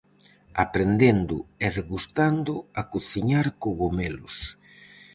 Aprendendo e degustando a cociñar cogomelos.